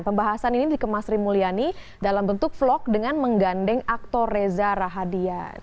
pembahasan ini dikemas sri mulyani dalam bentuk vlog dengan menggandeng aktor reza rahadian